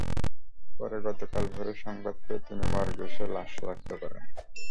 পরে গতকাল ভোরে সংবাদ পেয়ে তিনি মর্গে এসে লাশ শনাক্ত করেন।